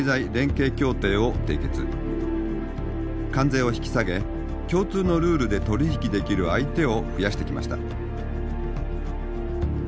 関税を引き下げ共通のルールで取り引きできる相手を増やしてきました。